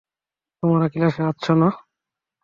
তোমরা ক্লাসে আসছো না?